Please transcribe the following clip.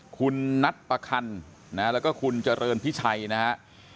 คุณนัตรประคัญแล้วก็คุณเจริญพิชัยนะครับ